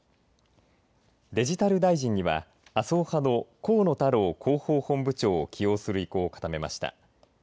デジタル大臣には麻生派の河野太郎広報本部長を起用する意向を固めました。